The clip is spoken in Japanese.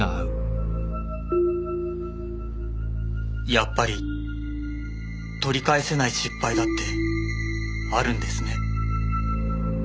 やっぱり取り返せない失敗だってあるんですね。